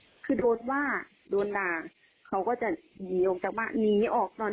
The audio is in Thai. หาข้อเท็จจริงว่ามันเป็นยังไงแล้วค่อยเอาไปลงข่าว